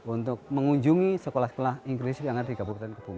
untuk mengunjungi sekolah sekolah inkresif yang ada di kabupaten kebun